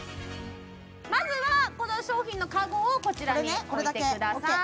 まずはこの商品のカゴをこちらに置いてください